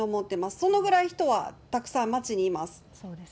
そのぐらい人はたくさん街にいます。